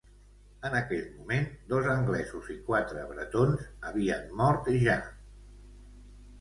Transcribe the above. En aquell moment, dos anglesos i quatre bretons havien mort ja.